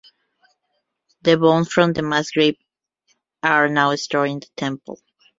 The bones from the mass grave are now stored in the temple.